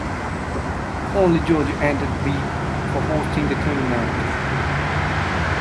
Only Georgia entered bid for hosting the tournament.